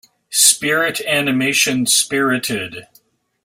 Spirit animation Spirited.